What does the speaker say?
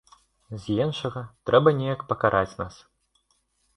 З іншага, трэба неяк пакараць нас.